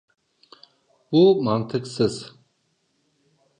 Bu mantıksız.